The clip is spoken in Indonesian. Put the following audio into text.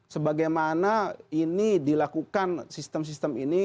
sebagaimana ini dilakukan sistem sistem ini